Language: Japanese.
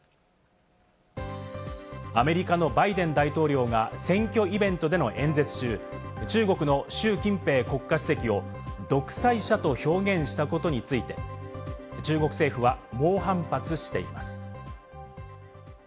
アメリカのバイデン大統領が選挙イベントでの演説中、中国のシュウ・キンペイ国家主席を独裁者と表現したことについて、中国政府は猛反発しています。